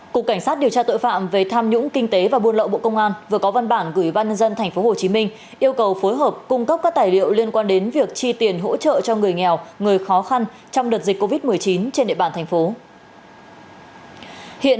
cục cảnh sát điều tra tội phạm về tham nhũng kinh tế và buôn lậu bộ công an vừa có văn bản gửi ban nhân dân tp hcm yêu cầu phối hợp cung cấp các tài liệu liên quan đến việc chi tiền hỗ trợ cho người nghèo người khó khăn trong đợt dịch covid một mươi chín trên địa bàn thành phố